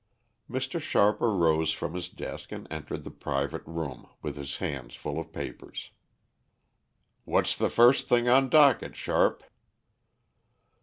Mr. Sharp arose from his desk and entered the private room, with his hands full of papers. "What's the first thing on docket, Sharp?"